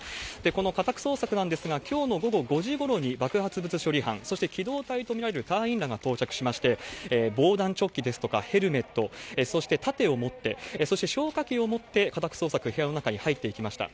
この家宅捜索なんですが、きょうの午後５時ごろに爆発物処理班、そして機動隊と見られる隊員らが到着しまして、防弾チョッキですとか、ヘルメット、そしてたてを持って、そして消火器を持って、家宅捜索、部屋の中に入っていきました。